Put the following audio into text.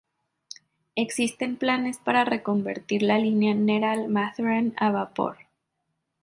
Existen planes para reconvertir la línea Neral-Matheran a vapor.